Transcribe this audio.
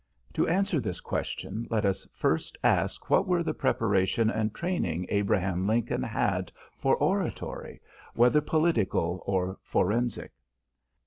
To answer this question, let us first ask what were the preparation and training Abraham Lincoln had for oratory, whether political or forensic.